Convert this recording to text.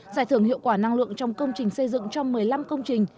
giải thưởng hiệu quả năng lượng trong công trình xây dựng cho một mươi năm công trình